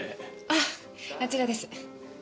あっあちらです。